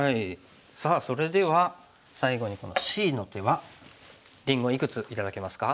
さあそれでは最後にこのＣの手はりんごいくつ頂けますか？